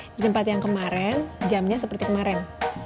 di tempat yang kemaren jamnya seperti kemaren